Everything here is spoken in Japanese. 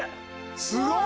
すごい！